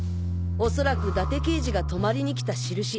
恐らく伊達刑事が泊まりに来た印。